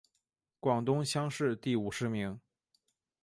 广东乡试第五十名。